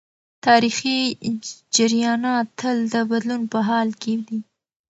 تاریخي جریانات تل د بدلون په حال کي دي.